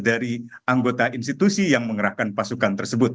dari anggota institusi yang mengerahkan pasukan tersebut